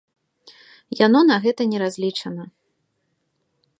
Яно на гэта не разлічана.